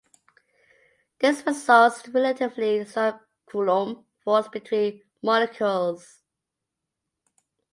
This results in a relatively strong Coulomb force between molecules.